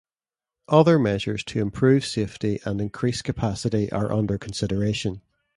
Other measures to improve safety and increase capacity are under consideration.